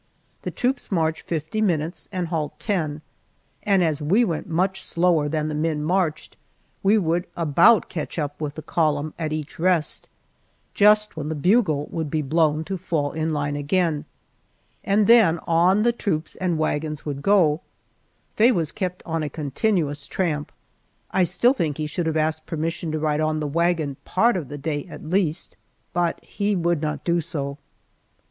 The troops march fifty minutes and halt ten, and as we went much slower than the men marched, we would about catch up with the column at each rest, just when the bugle would be blown to fall in line again, and then on the troops and wagons would go, Faye was kept on a continuous tramp. I still think that he should have asked permission to ride on the wagon, part of the day at least, but he would not do so.